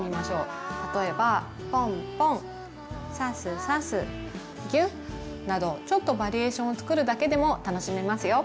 例えばぽんぽんさすさすぎゅっなどちょっとバリエーションをつくるだけでも楽しめますよ。